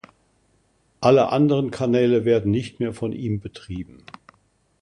Alle anderen Kanäle werden nicht mehr von ihm betrieben.